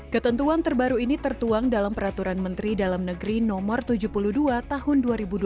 ketentuan terbaru ini tertuang dalam peraturan menteri dalam negeri no tujuh puluh dua tahun dua ribu dua puluh